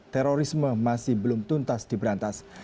terorisme masih belum tuntas diberantas